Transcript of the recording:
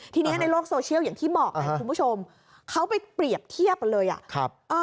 ทีนี้ในโลกโซเชียลอย่างที่บอกไงคุณผู้ชมเขาไปเปรียบเทียบกันเลยอ่ะ